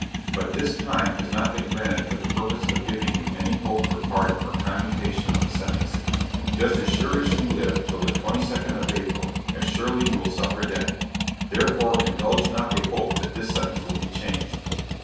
But this time has not been granted for the purpose of giving you any hope for pardon or commutation of the sentence; just as sure as you live till the twenty second of April, as surely you will suffer death therefore indulge not a hope that this sentence will be changed!